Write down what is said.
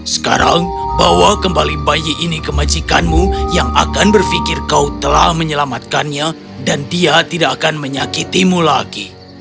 sekarang bawa kembali bayi ini ke majikanmu yang akan berpikir kau telah menyelamatkannya dan dia tidak akan menyakitimu lagi